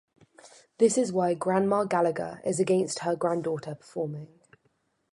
This is why Grandma Gallagher is against her granddaughter performing.